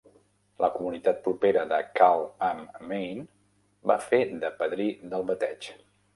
La comunitat propera de Kahl am Main va fer de padrí del bateig.